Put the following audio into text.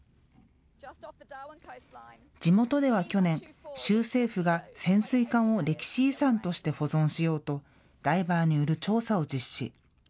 地元では去年、州政府が潜水艦を歴史遺産として保存しようとダイバーによる調査を実施。